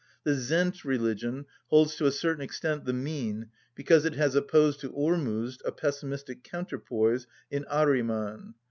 The Zend religion holds to a certain extent the mean, because it has opposed to Ormuzd a pessimistic counterpoise in Ahriman.